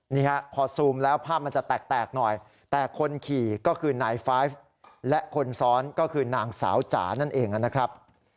นี่ฮะพอซูมแล้วภาพมันจะแตกหน่อยแต่คนขี่ก็คือนายไฟฟ์และคนซ้อนก็คือนางสาวจ๋านั่นเองนะครับ